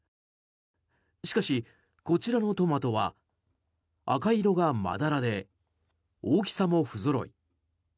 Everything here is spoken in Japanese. しかし、こちらのトマトは赤色がまだらで大きさも不ぞろい。